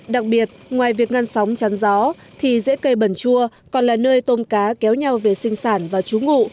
đặc biệt ngoài việc ngăn sóng chắn gió thì dễ cây bần chua còn là nơi tôm cá kéo nhau về sinh sản và trú ngụ